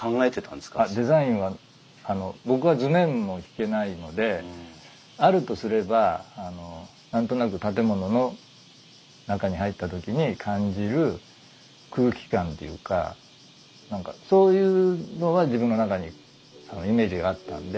デザインはあの僕は図面も引けないのであるとすれば何となく建物の中に入った時に感じる空気感というか何かそういうのは自分の中にイメージがあったんで。